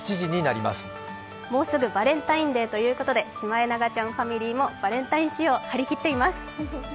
もうすぐバレンタインデーということでシマエナガちゃんファミリーもバレンタイン仕様、張り切っています。